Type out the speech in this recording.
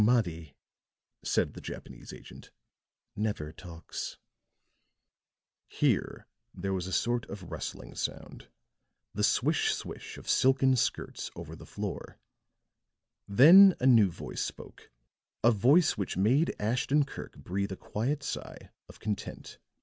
"Humadi," said the Japanese agent, "never talks." Here there was a sort of rustling sound; the swish swish of silken skirts over the floor; then a new voice spoke, a voice which made Ashton Kirk breathe a quiet sigh of content.